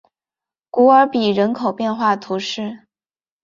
古尔比人口变化图示